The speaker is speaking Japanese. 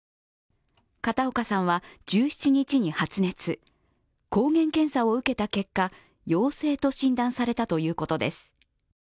片岡さんは１７日に発熱、抗原検査を受けた結果、陽性と診断されたということです。